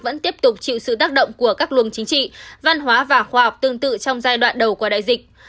vẫn tiếp tục chịu sự tác động của các luồng chính trị văn hóa và khoa học tương tự trong giai đoạn đầu của đại dịch